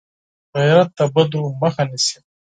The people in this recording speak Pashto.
غیرت د بدو مخه نیسي